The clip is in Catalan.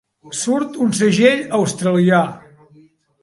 Surt en un segell australià.